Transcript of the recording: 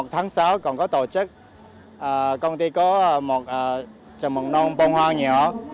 một tháng sáu còn có tổ chức công ty có một trường mộng nông bông hoa nhỏ